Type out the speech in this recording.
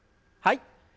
はい。